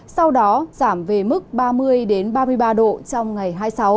sau đó giảm về mức ba mươi ba mươi ba độ trong ngày hai mươi sáu